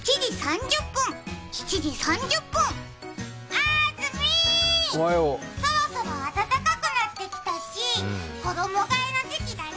あーずみー、そろそろ暖かくなってきたし衣がえの時期だね。